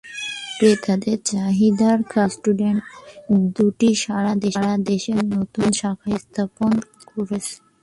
ক্রেতাদের চাহিদার কারণে রেস্টুরেন্ট দুটি সারা দেশে নতুন নতুন শাখা স্থাপন করছে।